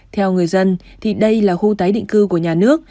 theo người dân thì đây là khu tái định cư của nhà nước